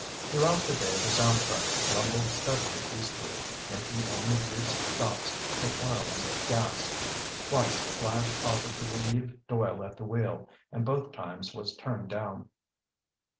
Throughout the day the sound truck rumbled steadily eastward, making only brief stops for oil and gas. Twice Flash offered to relieve Doyle at the wheel, and both times was turned down.